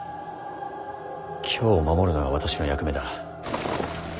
京を守るのが私の役目だ。